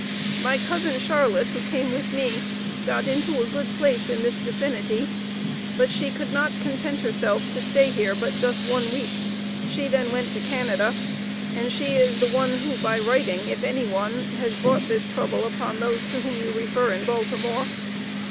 My Cousin Charlotte who came with me, got into a good place in this vicinity, but she could not content herself to stay here but just one week she then went to Canada and she is the one who by writing (if any one), has brought this trouble upon those to whom you refer in Baltimore.